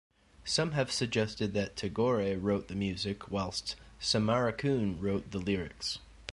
Some have suggested that Tagore wrote the music whilst Samarakoon wrote the lyrics.